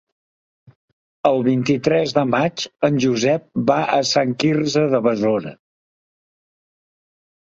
El vint-i-tres de maig en Josep va a Sant Quirze de Besora.